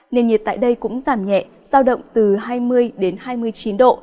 nền nhiệt tại đây cũng giảm nhẹ giao động từ hai mươi đến hai mươi chín độ